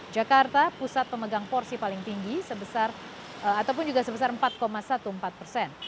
jakarta pusat pemegang porsi paling tinggi sebesar empat empat belas persen